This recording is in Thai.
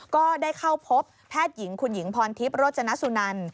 ก็ได้เข้าพบแพทย์หญิงคุณหญิงพรทิพย์โรจนสุนัน